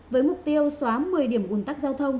với mục tiêu xóa một mươi điểm ủn tắc giao thông